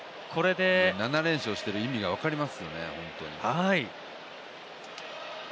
７連勝している意味が分かりますよね、本当に。